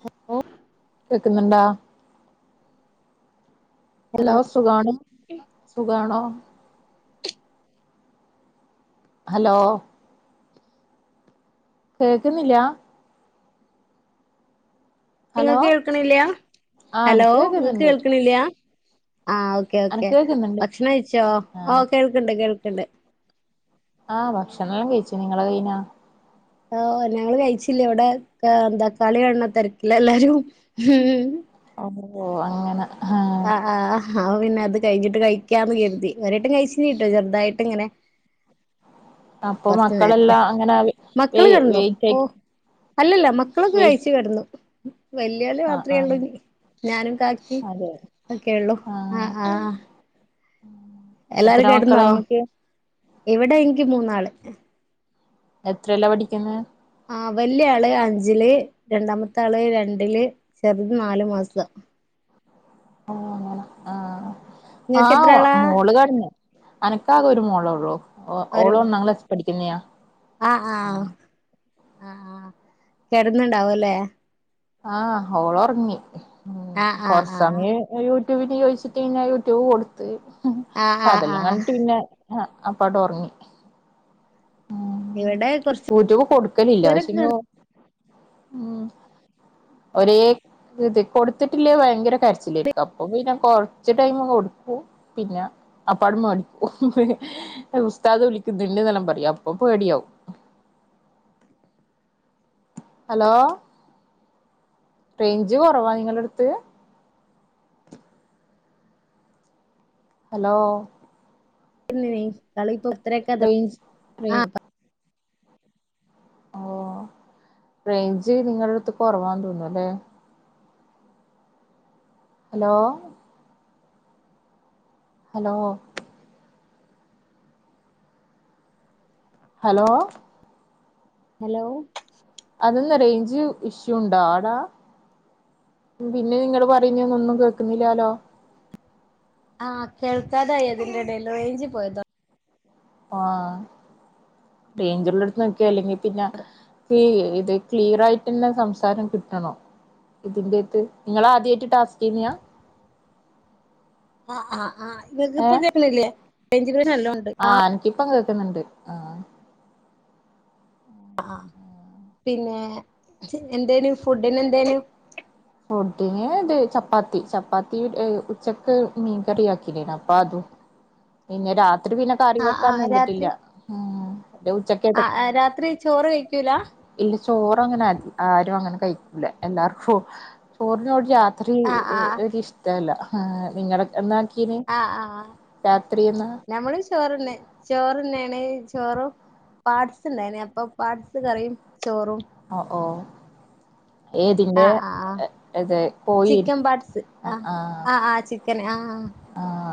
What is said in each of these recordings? Hello! കേക്കുന്നുണ്ടാ? Hello സുഖാണ്. സുഖാണോ? ഹലോ കേൾക്കുന്നില്ലാ? ഹലോ ഇങ്ങക്ക് കേൾക്കണില്ല? ആ ഹലോ! അനക്ക് ഇങ്ങക്ക് കേക്കുന്നുണ്ട് കേൾക്കണില്ല? ആ ഒ ഓക്കേ ഓക്കെ അനക്ക് കേക്കുന്നുണ്ട് ഭക്ഷണം കഴിച്ചോ ആ ആഹ് കേൾക്കണ്ട് കേൾക്കണ്ട് ആ ഭക്ഷണോം കഴിച്ച് നിങ്ങളെ കയിനാ? ഓ ഞങ്ങള് വയിച്ചില്ല ഇവിടെ ഏഹ് ന്താ കളി കാണ് ണ തിരക്കില എല്ലാരും. മ് അഹോ! അങ്ങനെ ഹാ! ആഹ് ആഹ് [unintelligible] അപ്പൊ പിന്നെ അത് കയിഞ്ഞിട്ട് കഴിക്കാന്ന് കര്തി. ഒരട്ടം കഴിച്ചീന്ന് ട്ടോ ചെറ്തായിട്ട് ങ്ങനെ. അപ്പൊ കൊറച്ച് നേരത്തെ. മക്കളെല്ലാം അങ്ങനെ വെ മക്കള് കടന്നു. വെയിറ്റ് ഓ ആക്കി അല്ലല്ല മക്കളൊക്കെ വെയിറ്റ് കഴിച്ചു കടന്നു. വല്യോല് ആ മാത്രേ ആ ഉള്ളൂഞ്ഞ്. ഞാനും കാക്കിം. അതെ ഒക്കെയൊള്ളൂ ആ ആഹ് ആഹ് ആഹ് എത്ര എല്ലാരും മക്കളാ കെടന്നോ? ഇങ്ങക്ക് ഇവിടെ എനിക്ക് മൂന്നാള്. എത്രേല്ലാ പഠിക്കുന്നെ? ആ വല്യേ ആള് അഞ്ചില് രണ്ടാമത്തെ ആള് രണ്ടില് ചെറുത് നാല് മാസം. ഓ! അങ്ങനെ ആഹ് ആ നിങ്ങൾക്ക് എത്ര ആളാ മോള് കടന്നു അനക്കാകെ ഒരു മോളേള്ളൂ ഓളൊന്നാം ക്ലാസിൽ പഠിക്ക്ന്നെയാ? ആഹാ ആഹാ ആഹാ ആഹാ കെടന്ന്ണ്ടാവലെ? ആഹാ ഓളൊർങ്ങി, ഉം ആ ആ കൊറച്ച് ആ സംയായ്. യൂട്യൂബിന് ചോദിച്ചിട്ട് പിന്നെയൂട്യൂബ് കൊട്ത്ത്, ആ ആ ആ അതെല്ലാം കണ്ടിട്ട് പിന്നെ- ഹാ അപ്പടൊറ്ങ്ങി ഇവിടെ കൊറച് - പൊതുവുകൊടുക്കലില്ല. പക്ഷെ ഉം ഒരേ- അതെ കൊടുത്തിട്ടില്ലേ ഭയങ്കര കരച്ചിലെയ്ര്ക്കും. അപ്പോ പിന്നെ കൊറ്ച്ച് ടൈംമൊക്കെ കൊടുക്കു. പിന്നെ അപ്പാടം മട്ക്കു, ഉസ്താദ് വിളിക്കുന്നുണ്ട്ന്നെല്ലാം പറ്‌യു. പ്പപ്പേടിയാവും. ഹലോ... ! റേഞ്ച് കുറവാ നിങ്ങളെട്ത്ത്? ഹലോ.... ! ന്നിനി കളി ഇപ്പൊ ഇത്രയൊക്കെ അത് റേഞ്ച് റേ ആഹ് പ ഓഹ് റേഞ്ച് നിങ്ങളെട്ത്ത്- കുറവാന്ന് തോന്നു അല്ലേ? ഹലോ... ! ഹലോ... ! ഹലോ.. ! ഹലോ.... ! അതന്ന റേഞ്ച് ഇഷ്യൂ ഉണ്ടോ ആടാ? പിന്നെ നിങ്ങള് പറയുന്നെ ഞാ ഒന്നും കേൾക്കുന്നില്ലാലോ ആഹാ കേൾക്കാതായി അതിന്റെടെല് റേഞ്ച് പോയതാ. ആഹാ റേഞ്ച്ള്ളൊട്ത്ത് നിക്കി, അല്ലെങ്കി പിന്നെ. ഹേ ഇത് ക്ലിയറായ്ട്ടന്നെ സംസാരം കിട്ടണോ ഇതിന്റെത്ത് നിങ്ങളാദ്യായിട്ട് ടാസ്കെന്യ? ആഹാ ആഹാ ആഹാ ഇങ്ങക്ക്‌പ്പോ ഏഹ് കേക്കില്ലെ റേഞ്ച് പ്രശ്നം നല്ലൊണ്ട്. ഇപ്പം കേക്ക്ന്ന്ണ്ട്, ആഹാ.... ! ആഹാ... ! പിന്നെ എന്തേനു ഫുഡിന് എന്തെനു? ഫുഡിന് ത് ചപ്പാത്തി, ചപ്പാത്തി ഉച്ചക്ക് മീൻകറി ആക്കിലെനോ അപ്പാതും. പിന്നെ രാത്രി പിന്നെ കറി ആ ആ വെക്കാൻ നിന്നിട്ടില്ല. പിന്നെ ഉച്ചക്കത്തെ ആഹാ ആഹാ രാത്രി ചോറ് കഴിയ്ക്കൂല... ! ഇല്ല ചോറങ്ങനെ ആ ആരും, അങ്ങനെ കഴിക്കില്ല. എല്ലാർക്കും ചോറിനോട് രാ- ആഹ് ആഹ് ത്രിൻകിഷ്ടവല്ല ആഹാ നിങ്ങള- ക്കിന് ആഹ് രാത്രിന്ന്. ചോറന്നെ, ചോറ്ന്ന്ണ് ചോറും- പാട്സ് ഇണ്ടയ്നി അപ്പോ പാട്സ്, കറിയും ചോറും. ഓഹ് ഓഹ്.... ! ഏതിന്റെ ആഹ് ആഹ് ആഹ് എതെ പോയി, ചിക്കൻ ആഹാ... ! തെനെ ആഹാ... ! ആഹാ.... !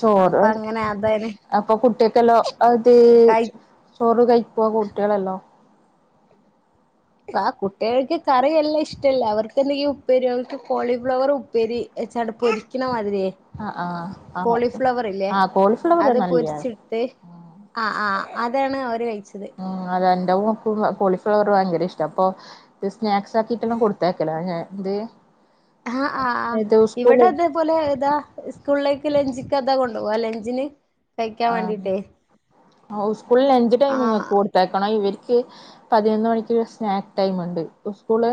ചോറ് അപ്പൊ അങ്ങനെ അതായിന് അപ്പോ കുട്ടിയക്കെല്ലോ, അത് കയി - ചോറ് കഴിക്കൊ കുട്ടെളെല്ലോ? ആഹാ കുട്ടികൾക്ക് കറി എല്ലാഷ്ടല്ല, അവർക്കെന്തെങ്കി- ഉപ്പേരികൾക്ക്, കോളിഫ്ലവർ ഉപ്പേരി. എച്ചാണ്ട് പൊരിക്ക്ണ മാതിരിയേ- ആ ആ ആ കോളിഫ്ലവർ ഇല്ലേ ആ കോളിഫ്ലവർ അത് പൊര്ച്ച്. നല്ലയാണ് ആഹാ ആഹാ അതാണ് അവര് കഴിച്ചത്. ഉം അതെന്റെമോക്കും കോളിഫ്ലവർ ഭയങ്കര ഇഷ്ടപ്പോ. രുസ്നാക്സ് ആക്കിട്ടെല്ലാം കൊടുത്തേക്കല ഞാൻ. ആഹാ ആഹാ ആഹാ ഇത് സ്കൂള് ഇവടത്, അത്പോലെ താ സ്കൂളിലേക്ക് ലഞ്ച്ക്കതാ കൊണ്ടൊവാ ലഞ്ചിന് കഴിക്കാൻ വേണ്ടിട്ടേ ആഹ് ഉസ്കൂളെ ലഞ്ച് ആഹ് ടൈമിങ്ങക്ക കൊട്- തെക്കണം ഇവര്ക്ക് പതിനൊന്ന് മണിക്ക് സ്നാക്ക് ടൈംമ്ണ്ട്. സ്കൂള്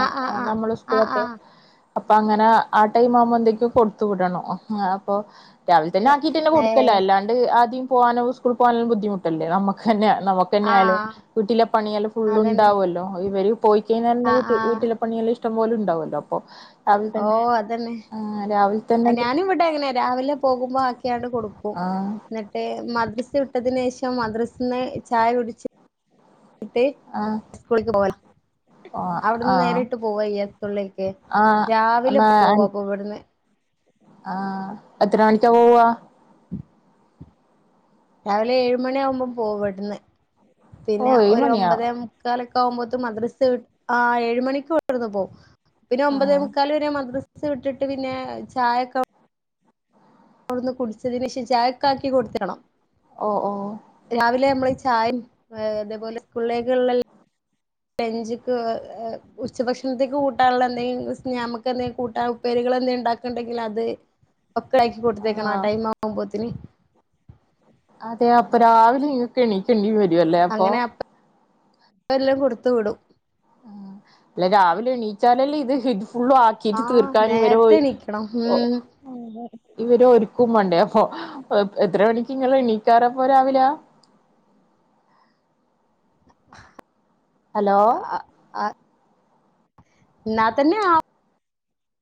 ആഹ് ആഹ് നമ്മള ആഹ് ആഹ് സ്കൂളപ്പൊ ആഹ് അപ്പൊ അങ്ങനെ ആ ടൈം ആവുമ്പോ എന്തേക്കും കൊട്ത്തു വിടണോ അപ്പൊ രാവിൽ തന്നെ ആക്കീട്ട് തന്നെ കൊട്ക്കല്ലെ ഏഹ് അല്ലാണ്ട് ആദ്യം പോവാനോ സ്കൂൾ പോവാനും ബുദ്ധിമുട്ടല്ലേ നമ്മക്ക് തന്നെ നമ [unintelligible] ആഹ് വീട്ടിലെ പണിയെല്ലാം ഫുള്ള് അതന്നെ ഉണ്ടാവൊല്ലോ ഇവര് പോയി കഴിഞ്ഞ ല് ആഹ് ആഹ് വീട്ടില പണിയള് ഇഷ്ടം പോലും ഉണ്ടാവൊല്ലോ അപ്പൊ രാവിൽ തന്നെ രാവിൽ ഞാനും ഇവിടെ അങ്ങനെ രാവിലെ പോകുമ്പോ ആക്കിയാണ്ട് കൊടുക്കും ആ ന്നട്ട് മദ്രസ് വിട്ടതിന് ശേഷം മദ്രസ്ന്ന് ചായ കുടിച്ച് ആ [unintelligible] ആ അവട്ന്ന് നേരിട്ട് പോവായ്യ സ്കൂളിലേക്ക് രാവിലെ ആ പോവാ അപ്പൊ ഇവട്ന്ന് ആ എത്ര മണിക്ക പോവാ രാവിലെ ഏഴുമണിയാവുമ്പം പോവും ഇവട്ന്ന് ഓ പിന്നെ ഏഴ് ഒരു മണിയാ ഒമ്പതേമു ക്കാലൊക്കെ ആവുമ്പോത്ത് മദ്രസ് വി ആ ഏഴ് മണിക്ക് ഇവട്ന്ന് പോ പിന്നെ ഒമ്പതേ ആഹ് മുക്കാല് വരെ മദ്രസ വിട്ടിട്ട് പിന്നെ ചായൊക്കെ അവിടുന്ന് കുടിച്ചതിന് ശേഷം ചായക്ക ആക്കി കൊടുത്തയാണോ ഓഹ് ഓഹ് രാവിലെ നമ്മള് ഈ ചായയ് ഏഹ് അതേപോലെ സ്കൂളിലേക്കുള്ള ലഞ്ചിക് ഉച്ചഭക്ഷണത്തേക്ക് കൂട്ടാൻള്ള എന്തെങ്കിലും സ്‌ന നമുക്ക് എന്തെങ്കി കൂട്ടാ ഉപ്പേരികൾ എന്തേ ഉണ്ടാക്ക്ണ്ടെങ്കില് അത് [unintelligible] ആക്കി കൊടുത്തേക്കണം ആ ആഹ് ടൈം ആവുമ്പോത്തിന് അതെ അപ്പൊ രാവിലെ ഇങ്ങക്ക് എണീക്കേണ്ടി വരൊല്ലേ അപ്പൊ അങ്ങനെ അപ്പ എല്ലാം കൊടുത്ത് വിടും ആഹ് അല്ല രാവിലെ എണീച്ചാലല്ലേ ഇത് ഹി ഫുള്ള് ആക്കിട്ട് ആ തീർക്കാനും ഇവരെ ഒ നേരത്തെ എണീക്കണം ഉം അതെ ഇവരൊരുക്കും വണ്ടേ അപ്പൊ എത്ര മണിക്കിങ്ങളെണീക്കാറപ്പോ രാവിലെ? അലോ എന്നാ തന്നെ ആ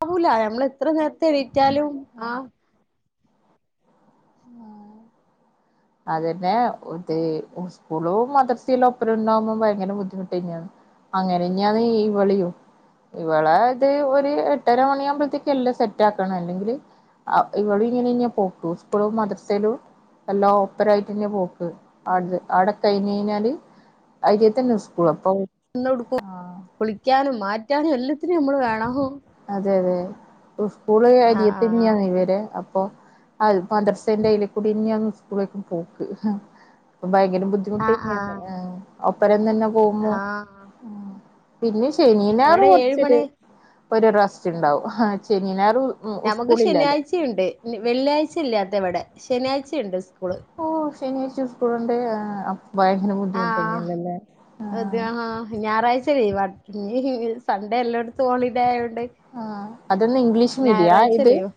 ആവൂല ഞമ്മള് എത്ര നേരത്തെ എണീറ്റാലും ആമ ആഹ് ആഹാ അതന്നെ ഇത് സ്കൂളും മദർസിലൊപ്പരന്നാവുമോ ഭയങ്കര ബുദ്ധിമുട്ടേനിയാന്ന് അങ്ങനെഞ്ഞാണ് ഇവളിയും ഇവളെ ഇത് ഒരു എട്ടര മണിയാകുമ്പോഴത്തേക്ക് എല്ലാം സെറ്റാ ക്കണം അല്ലെങ്കില് ആഹ് ഇവള് ഇങ്ങനന്നെയാ പോക്കു സ്കൂളും മദ്രസേലും എല്ലാം ഇപ്പറായിട്ട്ന്നെ പോക്ക് ആട്ത് ആടെ കഴിഞ്ഞഴിഞ്ഞാല് അയിലെ തന്നെ സ്കൂള് അപ്പോ നിന്നൊടുക്കും കുളിക്കാനും, മാറ്റാനും എല്ലാത്തിനും നമ്മള് വേണം അതെയതെ ഉസ്കൂള് ആഹ് അരിയത്തന്നെയാണ് ഇവര് അപ്പോ അൽ മദ്രസേന്റെ അയില്ക്കൂടിയന്നെയാണ് സ്കൂളേക്കും പോക്ക് പ്പ ഭയങ്കര ആഹ് ആഹ് ബുദ്ധിമുട്ടേനിയർഞ്ഞ് ആഹ് ഒപ്പരംതന്നെ പോവുമ്പോ ആഹ് പിന്നെ ശനീ ഞായറ് ഇവിടെ ഏഴ് കൊച്ചൊരു മണി ഒരു റസ്റ്റ് ഉണ്ടാവും ശനി ഞായറ് ഞമുക്ക് ശനിയാഴ്ചയുണ്ട് വെള്ളിയഴ്ച ഇല്ലാത്ത ഇവടെ ശനിയാഴ്ചയുണ്ട് ഇസ്കൂള് ഓഹ് ശനിയാഴ്ച സ്കൂള്ണ്ട് ആഹ് ഭയങ്കര ബുദ്ധിമുട്ട് ന്നല്ലല്ലേ ആഹ് അത്ഹാ ഞാറാഴ്ചലീവാ ഇഞ്ഞ് സൺഡേ എല്ലൊട്ത്തും ഹോളിഡേ ആയോണ്ട് ആഹ് അതെന്ന് ഇംഗ്ലീഷ് മീഡിയാ ഞായറാഴ്ച ഇത് ലീവ്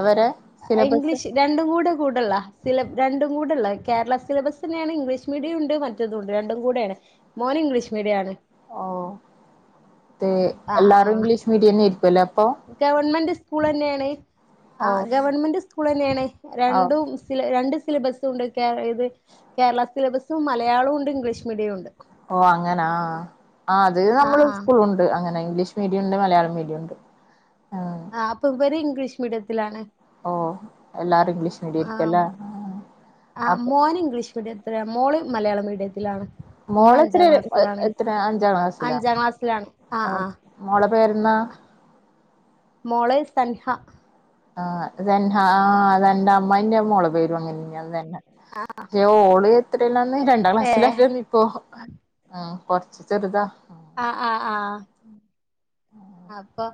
അവരെ സിലബസ് ഇംഗ്ലീഷ് രണ്ടും കൂടെ കൂടള്ള സില രണ്ടും കൂടെ ഉള്ള കേരള സിലബസ് ന്നെയാണ് ഇംഗ്ലീഷ് മീഡിയം ഉണ്ട് മ റ്റേതുവുണ്ട് രണ്ടും കൂടെയാണ് മോന് ഇംഗ്ലീഷ് മീഡിയം ആണ് ഓഹ് തേ ആ ആ എല്ലാരും ഇംഗ്ലീഷ് മീഡിയന്നെയായിരിക്കുവല്ലേ അ ഗവൺമെന്റ് സ്കൂളന്നെയാണ് ഓ ആഹ് ഗവൺമെന്റ് സ്കൂളന്നെയാണ് ഓ രണ്ടും സില രണ്ട് സിലബസുണ്ട് കേ ഇത് കേരള സിലബസും മലയാളോണ്ട് ഇംഗ്ലീഷ് മീഡിയോണ്ട് ഓഹ് അങ്ങനാ ആ അത് ആ നമ്മള് ആ സ്കൂളു അങ്ങനെ ഇംഗ്ലീഷ് മീഡിയൊണ്ട് മലയാളം മീഡിയൊണ്ട് ആഹ് ആ അപ്പൊ ഇവര് ഇംഗ്ലീഷ് മീഡിയത്തിലാണ് ഓ എല്ലാരും ഇംഗ്ലീഷ് മീഡിയം ആം ആയിരിക്കുവല്ലേ ആഹ് അപ്പൊ മോന് ഇംഗ്ലീഷ് മീഡിയ ഇത്ര മോള് മലയാള മീഡിയത്തിലാണ്. മോള് മോള എത്ര അഞ്ചാം ക്ലാസ്സിലാണ് എത്ര അഞ്ചാം ക്ലാസിലാ അഞ്ചാം ക്ലാസ്സിലാണ് ആ ഓ ആ മോള പേരുന്നാ മോളെ സന്ഹ ആഹ് അതന്നെ ആ അതെന്റെ അമ്മാന്റെ മോള പേരും അങ്ങനെ തന്നെ അ ഓള് എത്രലന്ന് രണ്ടാം ക്ലാസ്സില. ഏഹ് പ്പോ ആ കൊറച്ച് ചെറുതാ. ആഹ്, ആഹ്, ആഹ്. അപ്പൊ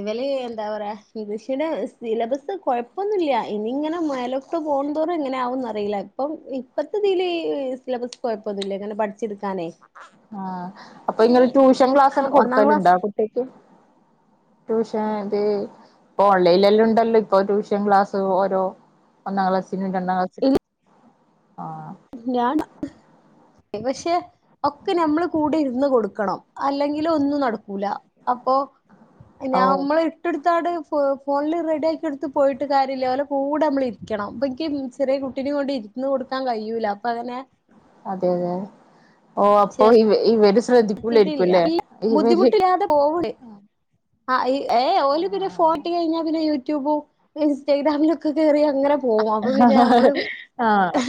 ഇവല് എന്താ പറയാ ഇംഗ്ലീഷിന്റെ സിലബസ് കൊഴപ്പൊന്നുമില്ല ഇനി ഇങ്ങനെ മേലെ ട്ട് പോന്തോറും എങ്ങനെ ആവുന്നറിയില്ല ഇപ്പം ഇപത്തതില് സിലബസ് കുഴപ്പൊന്നുല്ല ങ്ങനെ പഠിച്ചെടുക്കാനേ ആഹ അപ്പൊ ഇങ്ങള് ട്യൂഷൻ ക്ലാസ്ന ഒന്നാം കൊടുക്കലുണ്ടോ ക്ലാസ് കുട്ടിക്ക് ട്യൂഷൻ ഇത് ഇപ്പ ഓൺലൈൻല്ലാം ഉണ്ടല്ലോ ഇപ്പൊ ട്യൂഷൻ ക്ലാസ് ഓരോ ഒന്നാം ക്ലാസ്, രണ്ടാം ക്ലാസ് ആ ഞാൻ പക്ഷേ ഒക്കെ നമ്മൾ കൂടെ ഇരുന്ന് കൊടുക്കണം അല്ലെങ്കിൽ ഒന്നും നടക്കൂല അപ്പൊ ഓ നമ്മള് ട്ടോട്തടഫ ഫോണിൽ റെഡി ആക്കിയ എടുത്ത് പോയിട്ട് കാര്യമില്ല ഓലെ കൂടെ നമ്മള ഇരിക്കണം അപ്പോ എനി ചെറിയ കുട്ടിനെ കൊണ്ട് ഇരുന്ന് കൊടുക്കാൻ കഴിയൂല്ല അപ്പൊ അങ്ങനെ അതെ അതെ ഓ അപ്പൊ ഈവര് ശ്രദ്ദിക്കുലേരിയ്കുലെ ഈവര് പോൂ ആ ഏഓ പിന്നെ ഫോട്ട കഴിഞ്ഞാ പിന്നെ യൂട്യൂബും ഇൻസ്റ്റാഗ്രാമിലൊക്കെ കേറി അങ്ങനെ പോവും അപ്പൊ പിന്നെ അമ്മള് ആഹ് ആഹ്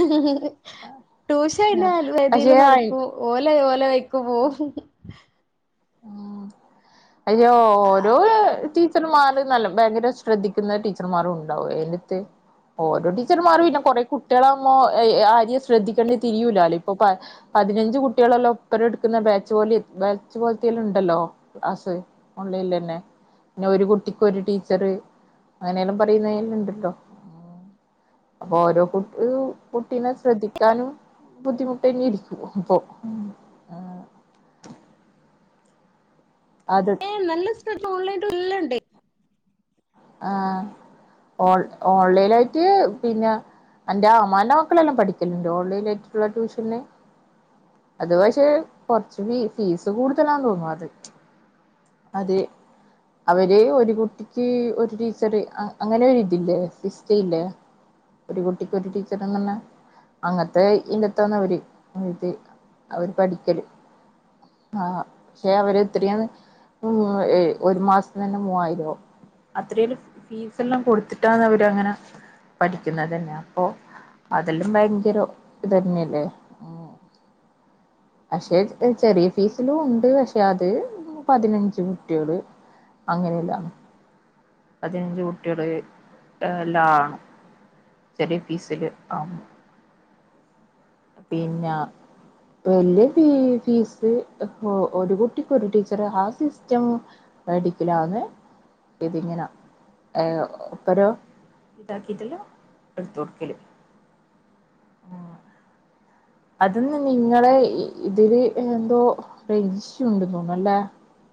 ട്യൂഷ അന്റെ അലുവേദിയില് പക്ഷെ നടക്കും ഓല ഓല വെക്കും പോകവും ഉം അയ്യോ ഓരോ ടീ ടീച്ചർമാര് നല്ല ഭയങ്കര ശ്രദ്ധിക്കുന്ന ടീച്ചർമാർും ഉണ്ടാവും അത്ത് ഓരോ ടീച്ചർമാര് പിന്ന കൊറെ കുട്ട്യളാവുമ്മോ ആര്യം ശ്രദ്ധിക്കേണ്ടത് തിരിയൂലാല്ലോ ഇപ്പൊ പതിനഞ്ച് കുട്ടികളല്ലോ ഒപ്പരും എടുക്കുന്ന ബാച്ച് പോല ബാച്ച്പോലത്തിലുണ്ട് ണ്ടല്ലോ ക്ലാസ്സ് ഓൺലൈലന്നെ പിന്നെ ഒരു കുട്ടിക്ക് ഒരു ടീച്ചർ. അങ്ങനെല്ലാം പറയുന്നല്ല ഉണ്ട്ട്ടോ അപ്പൊ ഓരോ കുട്ടി കുട്ടീിനെ ശ്രദ്ധിക്കാനും ബുദ്ധിമുട്ടന്നെരിക്കൂ അപ്പോ. അത് ഏ നല്ല സ്ഥ ഓൺലൈട്ട് എല്ലണ്ട്. ആഹ് ഓൺ, ഓൺലൈലായിട്ട് പിന്ന അന്റെ അമാന്റെ മക്കളെല്ലാം പഠിക്കല്ണ്ട് ഓൺലൈ ആയിട്ടുള്ള ട്യൂഷന്. അത് പക്ഷെ കൊറച്ച് ഫീ ഫീസ് കൂടുതലാ തോന്നും അത് അതെ അവര് ഒരു കുട്ടിക്ക് ഒരു ടീച്ചർ അങ്ങനെ ഒരുരിതില്ലേ സിസ്റ്റല്ലേ. ഒരു കുട്ടിക്ക് ഒരു ടീച്ചർന്നല്ല അങ്ങനത്തെ ഇന്നത്തന്ന അവര്ത് അവര് പഠിക്കല് ആ പക്ഷെ അവര്ത്രയും ഒരു മാസത്തി തന്നെ മൂവായിരോ അത്രല്ലാം ഫീസ എല്ലാം കൊടുത്തിട്ടാന്ന് അവര് അങ്ങനെ പഠിക്കുന്നത്തന്നെ അപ്പൊ അതെല്ലും ഭയങ്കര ഇതന്നെയല്ലേ. ഉം. അ [unintelligible] പക്ഷെ ചെറിയ ഫീസിലും ഉണ്ട്. പക്ഷെ അത് പതിനഞ്ച് കുട്യള്. അങ്ങനെയല്ലാണ് പതിനഞ്ച് കുട്ടികള് ലാ ആണ് ചെറിയ ഫീസില് ആഹ് പിന്ന വല്യ ഫീ, ഫീസ് ഒരു കുട്ടിക്ക് ഒരു ടീച്ചർ ആ സിസ്റ്റം. പടിക്കലാന്ന് ഇതിങ്ങനാ ഏ ഒപ്പരോ ഇതാക്കിട്ട്ല്ലോ എടുത്ത് കൊടുക്കൽ അതന്ന് നിങ്ങളെ ഇതില് എന്തോ റേഞ്ച് ഇഷ്യൂണ്ട് തോന്നുന്ന്ല്ലേ?